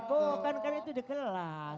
bukan kan itu di kelas